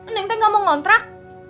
neng tank gak mau ngontrak